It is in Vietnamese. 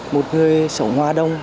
một người sống hoa đông